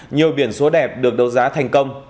nhiều biển số đẹp được đấu giá thành công